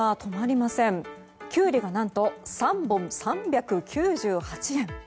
キュウリが何と３本３９８円。